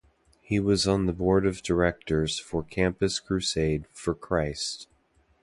He was on the Board of Directors for Campus Crusade for Christ.